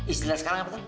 istilah sekarang apa tuh